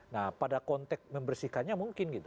nah pada konteks membersihkannya mungkin gitu